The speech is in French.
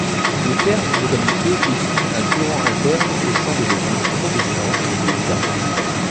Le terme modalité désigne un courant interne au sein de l'Église protestante des Pays-Bas.